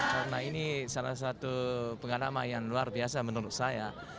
karena ini salah satu pengalaman yang luar biasa menurut saya